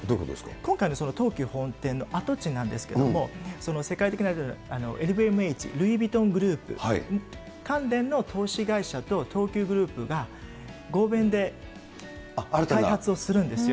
今回の東急本店の跡地なんですけれども、世界的なＬＶＭＨ、ルイ・ヴィトングループ関連の投資会社と、東急グループが合弁で開発をするんですよ。